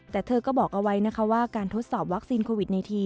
แต่เธอก็บอกเอาไว้นะคะว่าการทดสอบวัคซีนโควิด๑๙